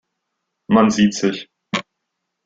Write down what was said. Man sieht sich.